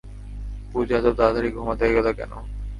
পূজা, এত তাড়াতাড়ি ঘুমাতে গেলে কেন?